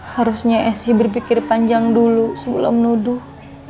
harusnya esi berpikir panjang dulu sebelum nuduh